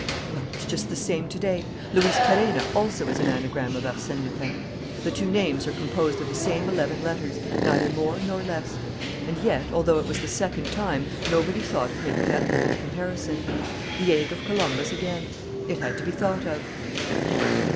Well, it's just the same to day: Luis Perenna also is an anagram of Arsène Lupin. The two names are composed of the same eleven letters, neither more nor less. And yet, although it was the second time, nobody thought of making that little comparison. The egg of Columbus again! It had to be thought of!"